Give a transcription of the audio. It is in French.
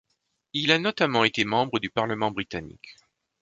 Il a notamment été membre du parlement britannique.